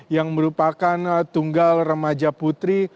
yang merupakan tunggal remaja putri